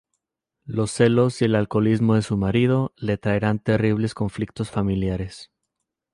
Los celos y el alcoholismo de su marido le traerán terribles conflictos familiares.